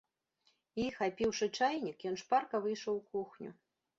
І, хапіўшы чайнік, ён шпарка выйшаў у кухню.